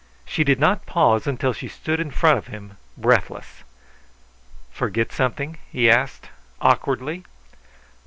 She did not pause until she stood in front of him, breathless. "Forget something?" he asked, awkwardly.